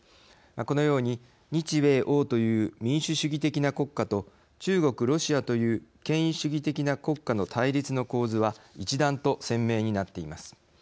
このように日米欧という民主主義的な国家と中国、ロシアという権威主義的な国家の対立の構図は一段と鮮明になっています。